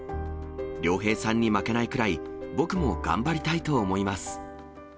亮平さんに負けないくらい、僕も頑張りたいと思います。